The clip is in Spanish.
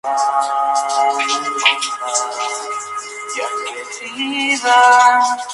Las corrientes en esta zona eran rápidas.